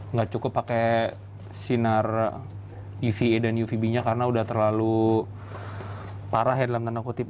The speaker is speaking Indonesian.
nggak cukup pakai sinar uva dan uvb nya karena udah terlalu parah ya dalam tanda kutip